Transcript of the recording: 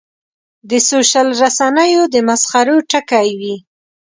د سوشل رسنیو د مسخرو ټکی وي.